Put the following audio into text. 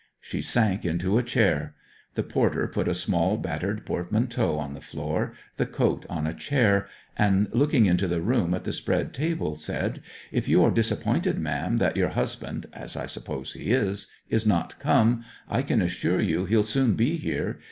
She sank into a chair. The porter put a small battered portmanteau on the floor, the coat on a chair, and looking into the room at the spread table said, 'If you are disappointed, ma'am, that your husband (as I s'pose he is) is not come, I can assure you he'll soon be here.